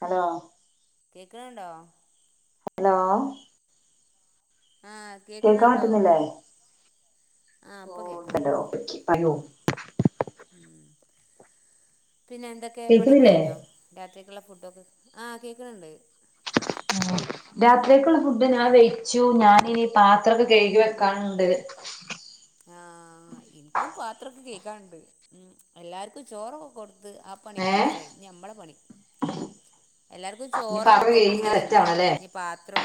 Hello കേക്ക്ണ്ടോ hello ആഹ് കേക്കാൻ കേൾക്കണുണ്ടോ പറ്റുന്നില്ലേ ആഹ് ഓ ഇപ്പൊ കേൾക്കാം ഹലോ പറയോ ഉം പിന്നെ എന്തൊക്കെ പണി കേക്കുന്നില്ലേ കഴിഞ്ഞോ രാത്രിക്കുള്ള ഫുഡൊക്കെ ആഹ് കേക്കണിണ്ട് രാത്രിക്കുള്ള ഫുഡ് ഞാൻ വെയ്ച്ചു ഞാനിനി പാത്രമൊക്കെ കഴുകി വെക്കാനുണ്ട് ആഹ് ഇൻക്കും പാത്രൊക്കെ കെഴ്കാണ്ട് ഉം എല്ലാർക്കും ചോറൊക്കെ കൊടു ത് ആഹ് പണി ഏഹ് ഫിനിഷായി ഞമ്മളെ പണി എല്ലാർക്കും ഇനി ചോറൊക്കെ പാത്രം കഴുകി കൊടുത്ത് കഴിഞ്ഞു സെറ്റാവണല്ലേ ഇഞ്ഞി പാത്ര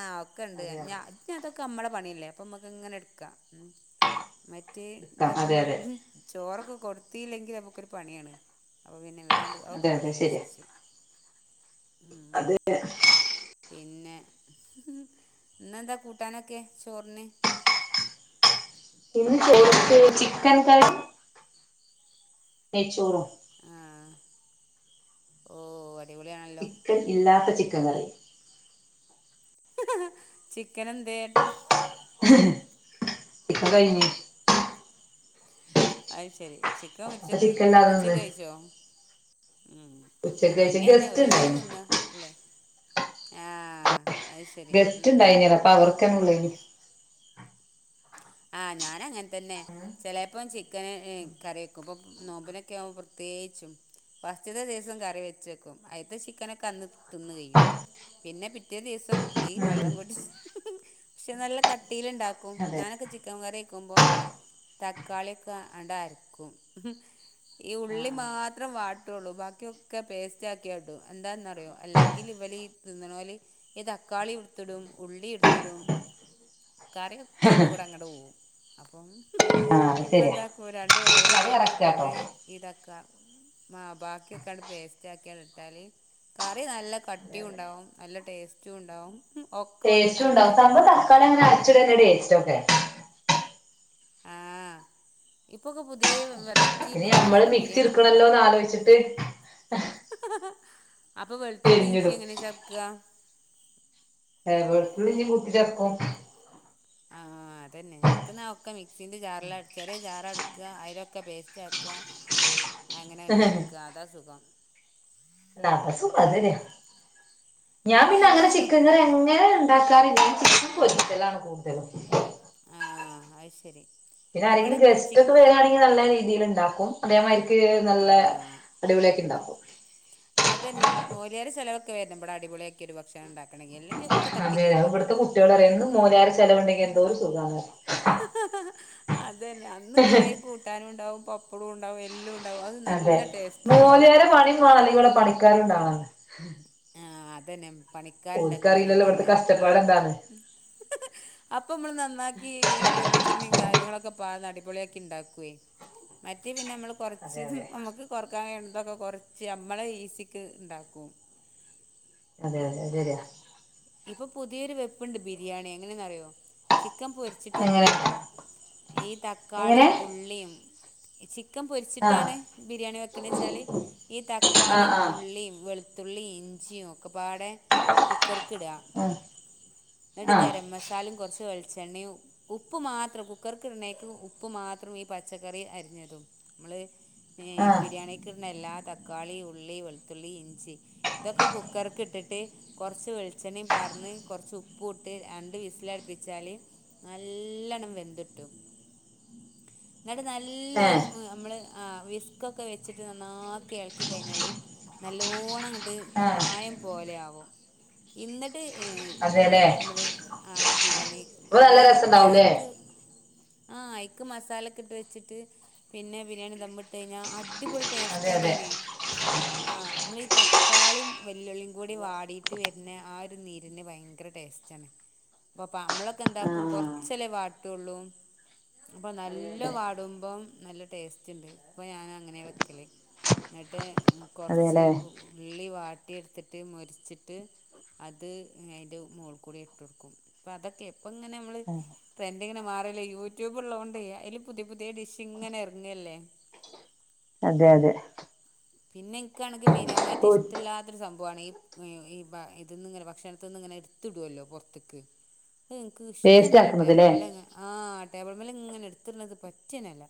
ആഹ് ഒക്കെണ്ട് അതെ എഞ്ഞ അതെ അതൊക്കെ നമ്മളെ പണില്ലേ അപ്പോമക്ക് ഇങ്ങനെ എടുക്ക ക്കാ മറ്റേ എടുക്കാം ഇതൊക്കെ അതെ അതെ [unintelligible] ചോറൊക്കെ കൊടുത്തീല്ലെങ്കി നമുക്കൊരു പണിയാണ് അപ്പോ പിന്നെ വേണ്ട് അതെ അഒക്കെ പണി കഴിച്ച്ച്ച് അതന്നെ പിന്നെ ഇന്നെന്താ കൂട്ടാനൊക്കെ ചോറിന് ഇന്ന് ചോറ്ക് ചിക്കൻ കറി നെയ്ച്ചോറൂം ആഹ് ഓഹ് അടിപൊളിയാണല്ലോ അഹ് ചിക്കൻ കറി ചിക്കനെന്തേ ഇപ്പ കഴിഞ്ഞ് അഹ് ശരി ചിക്കൻ അപ്പൊ ഉച്ചക്ക് ചിക്കൻ ഇല്ലാതെ നിന്ന് ഉച്ചക്ക് കഴിച്ചോ ഉം ഉച്ചക്ക് കഴിച്ച് അങ്ങേന്നെ ഗസ്റ്റ് ഒരു നേരം ഉണ്ടായിന് തിന്ന അല്ലേ ആഹ് ഗസ്റ്റ്‌ണ്ടായിഞ്ഞ അപ്പ അവർക്കന്നെ ഉള്ളേന് ആഹ് ഞാന അങ്ങനെ തന്നെ ചെലേ പ്പം ചിക്കന് ഹ് കറിയെക്കുമ്പൊ നോമ്പിനൊക്കെ ആവുമ്പോ പ്രത്യേകിച്ചും ഫസ്റ്റ്സദിവസം കറി വെച്ചെക്കും അയ്ത്തെ ചിക്കനൊക്കെ അന്ന് തിന്നുകെയ്യും പിന്നെ പിറ്റേ ദിവസം തം ഈ ഉം വെള്ളംകുടിച് ക്ഷെ നല്ല കട്ടിൽണ്ടാക്കും അതെ ഞാനൊക്കെ ചി ക്കൻ കറിയ്ക്കുമ്പോ തക്കാളിയൊക്കെ അണ്ടാര്ക്കും ഈ ഉള്ളി ആഹ് മാത്രം വാട്ടുള്ളൂ ബാക്കി ക്കെ പേസ്റ്റക്കിയാടും എന്താണന്നറിയോ അല്ലെങ്കില് ഇവല് ഈ തിന്ന്ണോൽ ഇ അക്കാളി ഉടുത്തിടും ഉള്ളി എടുത്തിടും കറിയൊക്കെ അയ്ന്റെ കൂടെ അങ്ങട്ട് പോവും അപ്പം അത് ഇപ്പ ശരിയാ എന്താക്കും രണ്ടൂരുളൻ അത് കിഴങ്ങ് കറക്റ്റാട്ടോ ഇട്ടിട്ട് ഇതക മാ ബാക്കി ഒക്കെട് പേസ്റ്റ് ആക്ക്യാട്ട് ഇട്ടാല് കറി നല്ല അതെ അതെ കട്ടിയുണ്ടാവും നല്ല ടേസ്റ്റും ഉണ്ടാവും ഒക്കെ ഒരെല്ലാവരും വയറ്റിൽ എത്തും ചെയ്യും അര്ച്ടന്നെ ടെസ്റ്റ്‌ ഓക്കേ ആഹ് ഇപ്പൊക്കെ പുതിയ വേറെയ് പിന്നെ ഞമ്മള് മിക്സി ഇർക്കണല്ലോന്ന് ആലോയ്ച്ചിട്ട് അപ്പൊ വെളുത്തുള്ളി ഇഞ്ചി പിരിഞ്ഞിടും എങ്ങനെ ചേത്ക്ക ഏഹ് വെളുത്തുള്ളി ഇഞ്ചി കൂട്ടിച്ചേർക്കും ആഹ് അതന്നെ ഇൻക്ക്ന്ന ഒക്കെ മിക്സിന്റെ ചാറിലട്ചാലെ ചാറ അട്ക്ക അയ്ലൊക്കെ പേസ്റ്റ് ആക്ക അങ്ങനെഅട്ട് വെക്ക അതാ സുഖം [inaudible] ഞാൻ പിന്നെ അങ്ങനെ ചിക്കൻ കറി എങ്ങനെ ഉണ്ടാക്കാറില്ല ചിക്കൻ പൊരികളാണ് കൂടുതലും ആഹ് അഹ് ശരി പിന്നെ ഇവിടെ ആരെങ്കിലും ചി ഗസ്റ്റ് ഒക്കെ വരാണെങ്കിൽ നല്ല രീതിയിൽ ഉണ്ടാക്കും അതേമാരിക്ക് നല്ല ആഹ് അടിപൊളിയാക്കിണ്ടാക്കും അതന്നെ മോയ്ല്യാരെ ചെലവെക്കെ വരണം ഇവിടെ അടിപൊളിയൊക്കെ ഒരു ഭക്ഷണം ണ്ടാക് അതെ ഇവിടുത്തെ കുട്ടിളോടറിം എന്നും മൊലാരെ ചെലവുണ്ടെങ്കി എന്തോരു സുഖാ ണ് [unintelligible] അതന്നെ അന്ന് കുറേ കൂട്ടാനും ഉണ്ടാവും പപ്പടും ഉണ്ടാവും എല്ലുണ്ടാവും അഹ് നല്ല ടേസ്റ്റു [unintelligible] കണ്ടാ ആഹ് അതന്നെ പണിക്കാരുണ്ടെങ്കിലും ഓൽക്കറിയില്ലല്ലോ ഇവിടുത്തെ അങ്ങൻതന്നെ കഷ്ടപ്പാട് എന്താന്ന് അപ്പൊ മ്മള് നന്നാക്കി വെളിച്ചെണ്ണയും കാര്യങ്ങളൊക്കെ പാ ന്നടിപൊളിയാക്കി ണ്ടാക്കുവേ മറ്റേ പിന്നെമ്മള് കൊറച്ച് അതെ അതെ നമക്ക് കൊറയ്ക്കാൻ കഴിയുന്നതൊക്കെ കൊറച്ച് നമ്മളെ ഈസിക്ക് ഇണ്ടാക്കും അതെ അതെ അശെരിയാ ഇപ്പൊ പുതിയൊരു വെപ്പ്ണ്ട് ബിരിയാണി എങ്ങനെന്ന് അറിയോ ചിക്കൻ പൊ ചിട്ട് എങ്ങനെ വെക്ക്മ്പോട്ടോ ഈ എങ്ങനെ തക്കാളിയും ഉള്ളിയും ചി ക്കൻ ആഹ് പൊരിച്ചിട്ടാണ് ബിരിയാണി വെക്ക്ണെച്ചാല് ഈ ആഹ് തക്കാളിം ആഹ് ഉള്ളിം വെളു തുള്ളി ഇഞ്ചിയും ഒക്കെപാടെ കുക്കർക്ക് ഇടാ ന്നട് ആഹ് ആഹ് ഗര മസാലിം കൊറച്ച് വെളിച്ചെണ്ണിയും ഉപ്പ് മാത്രം കുക്കർക്ക് ഇട്ണേക്ക് ഉപ്പ് മാത്രം ഈ പച്ചക്കറി അരിഞ്ഞതും മ്മള് എ ആഹ് ബിരിയാണിക്ക് ഇടുന്ന എല്ലാ തക്കാളി ഉള്ളി വെളുത്തുള്ളി ഇഞ്ചി ഇതൊക്കെ കുക്കർക്ക് ഇട്ട് ട്ട് കൊറച്ച് വെളിച്ചെണ്ണയും പാർന്ന് കുറച്ച് ഉപ്പ് ഇട്ട് രണ്ട് വിസിലട്പ്പിച്ചാല് നല്ലണ്ണം വെന്തിട്ടും ന്നിട്ട് നല്ല ഒ ഏഹ് നമ്മള് ആഹ് വിസ്കൊക്കെ വെച്ചിട്ട് നന്നാക്കി എളക്കി കഴിഞ്ഞാല് നല്ലോണം ങ്ങ ട്ട് ആഹ് കായം പോലെ ആകും ന്നിട്ട് അതെല്ലേ ങ് നമ്മള് ആഹ് ബിരിയാണി അപ്പൊ നല്ല പിന്നെ ന്നട്ട് രസണ്ടാവൂലേ ഐക്ക് ആഹ് അയ്ക്ക് മസാലൊക്കെ ഇട്ട് വെച്ചിട്ട് പിന്നെ ബിരിയാണി തമ്മിട്ട് കഴിഞ്ഞാ അടിപൊളി അതെ അതെ ടേസ്റ്റാണയ്ന് ആഹ് നമ്മളീ തക്കാളിം വല്ലുള്ളി കൂടി വിട്ടിട്ട് വര് പിന്നെ ആഹ് ഒരു നീരിന് ഭയങ്കര ടേസ്റ്റണ് പ്പ അമ്മളൊക്കെ എന്താക്കും ആഹ് കൊറച്ചല്ലേ വാട്ടൊള്ളൂ അപ്പൊ അതെ നല്ല അതെ പാടുമ്പം നല്ല ടേസ്റ്റ് ഇണ്ട് ഇപ്പൊ ഞാൻ അങ്ങനെ വെക്കല് ന്നട്ട് കൊറച്ച് അതെല്ലേ ഉള്ളി വാട്ടിയെടുത്തിട്ട് മൊരിച്ചിട്ട് അത് അതിന്റെ മോൾകൂടി ഇട്ടൊട്ക്കും പ്പൊ അതൊക്കെ ഇപ്പങ്ങനെ നമ്മള് ട്രന്റ്ങ്ങനെ മാറല്ലേ യൂട്യൂബ് ഉള്ളത് കൊണ്ട് അതില് പുതിയ പുതിയ ഡിഷ് ഇങ്ങനെ എറങ്ങല്ലേ അതെ അതെ പിന്നെ ഇക്കാണെങ്കിൽ മെയിനായിട്ട് ഇഷ്ടമല്ലാത്തരു സംഭവമാണ് ഈ ഈ ഇത്ന്ന്ങ്ങനെ ഭക്ഷണത്ത്ങ്ങനെ ഇട്ത്ത് ഇടുമല്ലോ പൊറത്ത്ക്ക് അഹ് ഇൻക്ക് വേസ്റ്റ് ഇഷ്ടഞ്ഞല്ല ടേബിൾ ആക്കുന്നത്ല്ലേ മല ആഹ് ടേബിൾ മല് ഇങ്ങനെ ഇട്ത്ത്ട്ണത് പറ്റഞ്ഞല്ല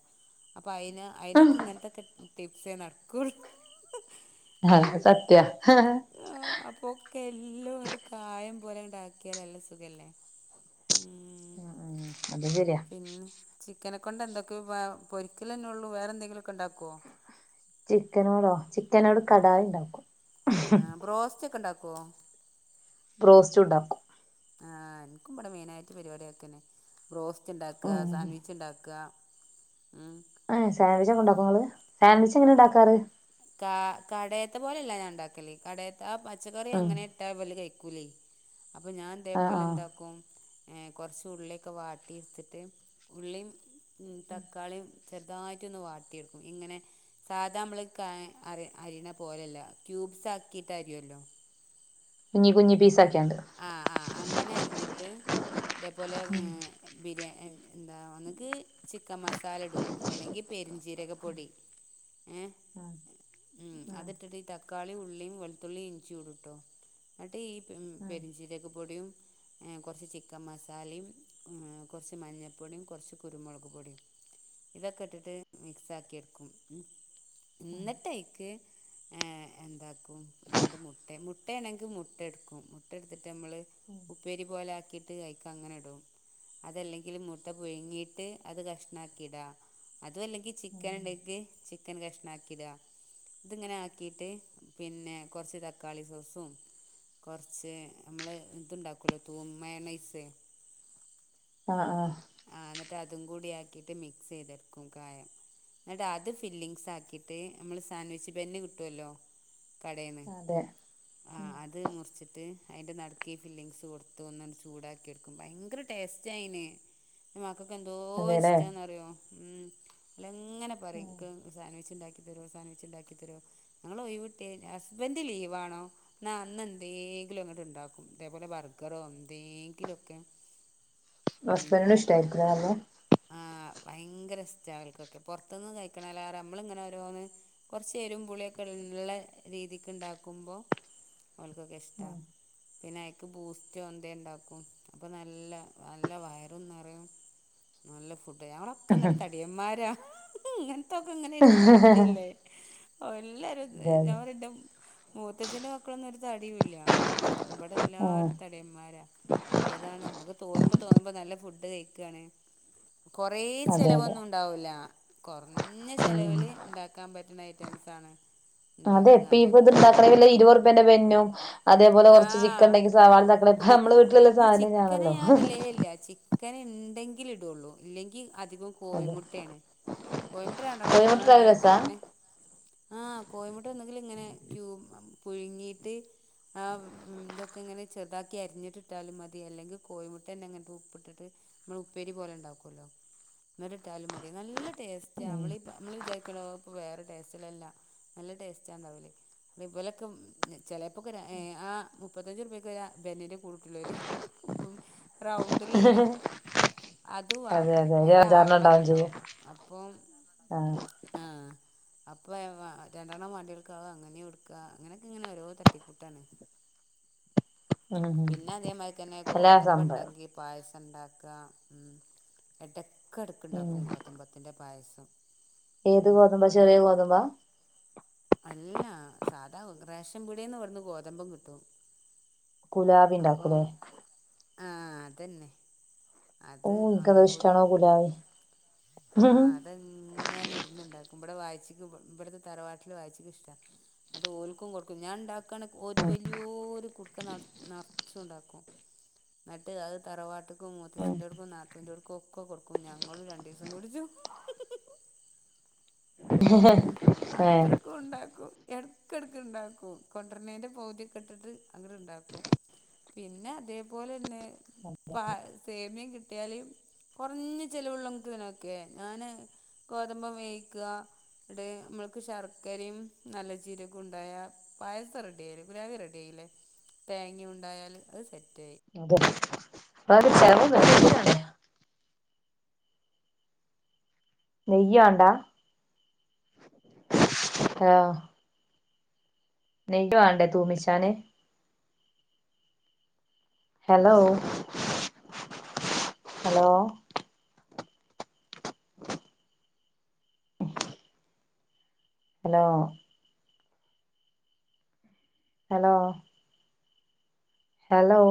അപ്പൊ അയിന് അയിനൊക്കെ ഇങ്ങൻത്തക്കെ ടിപ്സെ നടക്കൂ അത് സത്യ ആഹ് അപ്പൊക്കെ എല്ലാം കായം പോലെ ഇണ്ടാക്കിയാല് നല്ല സുഖല്ലേ ഉം ഉം അതും ശരിയാ പിന്നെ ചിക്കനെ കൊണ്ട് എന്തൊക്കെ പൊരിക്കലന്നെ ഒള്ളൂ വേറെന്തെങ്കിലൊക്കെ ഉണ്ടാക്കോ ചിക്കനോടോ ചിക്കനോട് കടായി ഇണ്ടാക്കും ആഹ് ബ്രാസ്റ്റൊക്കെ ഇണ്ടാക്കോ? ബ്റോസ്റ്റു ഉണ്ടാക്കും ആഹ് ഇൻക്കും ഇവിടെ മെയിനായിട്ട് പരിപാടി അതൊക്കന്നെ ബ്രാസ് സ്റ്റ് ഇണ്ടാക്ക ഉം സാൻവിച്ച് ഉണ്ടാക്ക ഉം അ സൻഡ്ച്ച് ഒക്കെ ഇണ്ടാക്കോ നങ്ങള് സൻവിച്ച് എങ്ങനെ ഇണ്ടാക്കാറ് കാ കടേത്തെ പോലെല്ല ഞാൻ ഇണ്ടാക്കല് കടയത്തെ ആഹ് പച്ചക്കറി ഉം അങ്ങനെ ഇട്ടാ വല് കഴിക്കൂലേ അപ്പൊ ഞാൻ ആഹ് ഇതേപോലെ ആഹ് എന്താക്കും കൊറച്ച് ഉള്ളിക്കെ വാട്ടിട്ത്തിട്ട് ഉള്ളിയും തക്കാളിയും ചെറുതായിട്ട് ഒന്ന് വാട്ടിയെടുക്കും ഇങ്ങനെ സാധാ നമ്മള് ക അറി അരിയണ പോലെയല്ല ക്യൂബ്സ് ആക്കിട്ട് അരിയല്ലോ കുഞ്ഞി കുഞ്ഞി പീസാക്കിയണ്ട് ആഹ് ആഹ് അങ്ങനെ അരിഞ്ഞിട്ട് ഇതേപോലെ ഉം ങ് ബിരിയാ എ എന്താ ങ്ങക്ക് ചിക്കൻ മസാലടും അല്ലെങ്കി പെരുംചീരക പൊടി ഏഹ് ആഹ് മ് ആഹ് അതിട്ട്ട്ട് തക്കാളി ഉള്ളിയും വെളുത്തുള്ളി ഇഞ്ചിടുട്ടോ ന്നിട്ട് ഈ പെരിഞ്ചീരക പൊടിയും എ കൊറച്ച് ചിക്കൻ മസാലിം കെറച്ച് മഞ്ഞൾപ്പൊടിയും കൊറച്ച് കുരുമുളക് പൊടിയും ഇതൊക്കെ ഇട്ടിട്ട് മിക്സ് ആക്കി എടുക്കും ന്നിട്ടൈക്ക് എന്താക്കും രണ്ട് മുട്ട മുട്ടയാണെങ്കിൽ മുട്ട എടുക്കും ഇട്ടെടുത്തിട്ട് നമ്മള് ഉപ്പേരി പോലെ ആക്കിയിട്ട് അയിക്ക് അങ്ങനെ ഇടും അതല്ലെങ്കിൽ മുട്ട പുഴുങ്ങിട്ട് അത് കഷ്ണം അക്കിടാം അതും അല്ലെങ്കി ചിക്കൻ ഉണ്ടക്ക് ചിക്കൻ കഷ്ണം ആക്കി ഇടാം ഇതി ഇങ്ങനെ ആക്കിട്ട് പിന്നെ കൊറച്ച് തക്കാളി സോസും കുറച്ച് പക്ഷേ നമ്മള് ഇതുണ്ടാക്കല്ലോ തൂ മയേനൈസ് ആഹ് ആഹ് ആ എന്നിട്ട് അതും കൂടി ആക്കിട്ട് മിക്സ് ചെയ്തെടുക്കും കായം എന്നട്ടാ അത് ഫില്ലിങ്ങ്സ് ആക്കിയിട്ട് നമ്മൾ സാൻഡ്വിച്ച് ബെന്നെ കിട്ടുമല്ലോ കടേന്ന് അതെ ആ ഉം അത് മുറിച്ചിട്ട് ട്ട് അതിന്റെ നടത്തി ഫില്ലിങ്സ് കൊടുത്ത ഒന്ന് ചൂടാക്കി എടുക്കും ഭയങ്കര ടേസ്റ്റ്യി ആണ് അയിന് ന്റെ മക്കൾക്ക്ന്തോ അതെല്ലേ ഇഷ്ടാന്ന് അറിയോ ഉം ഓലങ്ങനെ പർയും ഇൻക്ക് സാൻവിച്ച് ഉണ്ടാക്കി തരു സാൻവിച്ച് ഉണ്ടാക്കി തരുോ ഞങ്ങള് ഒഴിവിട്ട്യാ ഹസ്ബൻഡ് ലീവാണോ ഇന്നാ അന്ന് എന്തേ ലും അങ്ങട്ട് ഉണ്ടാക്കും ഇതേപോലെ ബർഗറോ എന്തെങ്കിലോക്കെ ഉം ഹസ്ബൻഡിനും ന ഇഷ്ടായിരിക്കുംല്ലേ ആഹ് ഭയങ്കര ഇഷ്ട ഓല്ക്കൊക്കെ പൊറത്തുന്ന് കഴിക്കണല്ല നമ്മള് ഇങ്ങനെ ഓരോന്ന് കൊറച് എരും പുളിയൊക്കെള്ള രീതിക്ക് ഇണ്ടാക്കുമ്പോ ഓൽക്കൊക്കെ ഇഷ്ട്ടാ നല്ലെ പിന്നെ അയ്ക്ക് ബൂസ്റ്റ് എന്തേ ഇണ്ടാക്കും അപ്പം നല്ല നല്ല വയറും ന്നറയും നല്ല ഫുഡ് ഞങ്ങളൊക്കെനല്ല തടിയന്മാരാ ഇങ്ങനത്തൊക്കെ ഇങ്ങനെ ഇരുന്നു കഴിക്കല്ലേ ഓ എല്ലാരും അതെ ഞൻ അതെ പറിയാ ഇന്റെ മൂത്തച്ഛൻന്റെ മക്കളൊന്നും ഒരു തടിയുല്ല ആഹ് ഇവിടെല്ലാരും തടിയന്മാരാ അപ്പൊ അതാണ് നമ്മുക്ക് തോന്നുമ്പോ തോന്നുമ്പോ നല്ല ഫുഡ് കഴിക്കാണ് കൊറേ അതെ അതെ ചെലവൊന്നും ഉണ്ടാവുല കുറഞ്ഞ ഉം ചെലവില് ഉണ്ടാക്കാൻ പറ്റുന്ന ഐറ്റംസ് ആണ് അതെ ഇപ്പ ഇപ്പ ഇത് ഇണ്ടാക്കണ വല്ല ഇരുപത് ഉർപേന്റെ ബെന്നും അതേപോലെ കുറച്ച് ചിക്കൻ ആഹ് ഉണ്ടെങ്കി സവാള തക്കളി ഇപ്പ നമ്മള് വീട്ടിലുള്ള സാധനനന്നാണല്ലോ ഇല്ല ഇല്ല ചി ക്കന് ഉണ്ടെങ്കിലിൽ ഇടുള്ളൂ ഇല്ലെങ്കി അധികം അതെ കോഴമുട്ടെണ് കോയിമുട്ട രണ്ടെണ്ണം മൂന്നെണ്ണം കോഴിമുട്ട ഇണ്ടായാൽ രസാ തന്നെ ആഹ് കോയിമുട്ട ഒന്നെങ്കിലിൽ ഇങ്ങനെ ക്യൂ പുഴുങ്ങിയിട്ട് ആ ഇതൊക്കെ ഇങ്ങനെ ചെറുതാക്കി അരിഞ്ഞിട്ടിട്ടാലും മതി അല്ലെങ്കിൽ കോഴിമുട്ടന്നെ അങ്ങനെ ഉപ്പിട്ടിട്ട് നമ്മൾ ഉപ്പേരി പോലെ ഉണ്ടാക്കുല്ലോ എനിട്ട് ഇട്ടാലും മതി നല്ല ടേസ്റ്റാ ഉം നമ്മൾ നമ്മൾ വിചാരിക്കണ്ടപ്പോ വേറെ ടേസ്റ്റ് ഇല്ല ഇല്ല നല്ല ടേസ്റ്റാ ഉണ്ടവല് അതെ പോലെക്കേ ചെലേപ്പോ ആ മുപ്പത്തഞ്ച് ഉർപ്യക്ക് ഒര് ആ ബെന്നിന്റെ കൂട് കിട്ടില്ലേ റൗണ്ടിൽ ഉള്ളെ അത് അതെ വാങ്ങും അതെ ഒരു അയില് അഞ്ചാറെണ്ണം ആറെണ്ണം ഒക്കെ ഉണ്ടാവും ചെയ്യും ഇണ്ടാവും അപ്പം ആഹ് അപ്പൊ രണ്ടെണ്ണം വാണ്ടി ഒല്‍ക്ക് അങ്ങനെയടുക്ക അങ്ങനൊക്കെ ഇങ്ങനെ ഓരോ തട്ടിക്കൂട്ട ട്ടാണ് ഉം ഉം പിന്നെ അതേമാതിരി തന്നെ എല്ലാ ഗോതമ്പ് സംഭവം ഉണ്ടെങ്കി പായസം ഇണ്ടാക്ക ഉം എടയ്ക്കടക്കുണ്ടാക്കും ഗോതമ്പത്തിൻ്റെ പായസം ഏത് ഉം ഗോതുമ്പ ചെറിയ ഗോതമ്പാ അല്ല സാധാ റേഷൻ പീടിയന്ന് ഇവിടുന്നു ഗോതമ്പും കിട്ടും ഗുലാബി അപ്പം ഉണ്ടാക്കൂലേ ആ അതന്നെ അത് ഓന് ഇൻക്ക് അത് ഒന്നും കൂടി ഇഷ്ടണോ കുലാവി ഇവിടെ ഇങ്ങനെ ഇരുന്ന്ണ്ടാക്കും ഇവിടെ വായിചിക്ക് ഇവിടത്തെ തറവാട്ടില് വായിച്ചിക്ക്ഷ്ടാ എന്നട്ട് ഓൽക്കും കൊടുക്കും ഞാൻ ഉണ്ടാക്കണ ഒരു വലിയൊരു ഒരു കുടുക്ക നറ നറച്ചും ഉണ്ടാക്കും എന്നട്ട് അത് തറവാട്ടക്ക മൊത്ത മൂത്തച്ചിന്റോടുക്കും നാത്തൂൻന്റെടുക്കും ഒക്കെ കൊടുക്കും ഞങ്ങളും രണ്ടീസം കുടിച്ചു [unintelligible] അത്ര ഏഹ് ഉണ്ടാക്കും ഇടക്കടക്ക്‌ണ്ടാക്കും കൊണ്ടര്ണേന്റെ പൗതിയൊക്കെ ഇട്ടിട്ട് അങട്ട് ണ്ടാക്കും പിന്നെ അതേപോലെന്നെ പ സേമ്യം കിട്ട [unintelligible] കൊറഞ്ഞ ചെലവുള്ളമ്ക്ക് ഇത് നൊക്കെ ഞാന് ഗോതമ്പം വേവിക്ക ഇടെ മ്മൾക്ക് ശർക്കരിം നല്ല ജീരകുണ്ടായ പായസം റെഡി ആയില്ലേ ഗുലാവി റെഡിയായില്ലേ. തേങ്ങിണ്ടായാല് അത് സെറ്റായി. അതോ [unintelligible] നെയ്യാണ്ടാ ഹലോ നെയ്യ് വേണ്ടേ തൂമിച്ചാന് hello hello hello hello hello